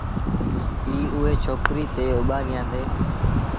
ائيٚݩ اُئي ڇوڪريٚ تي اوٻآݩگيآݩدي